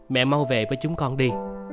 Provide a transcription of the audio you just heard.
mẹ mau về với chúng con đi